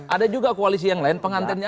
ada juga koalisi yang lain pengantennya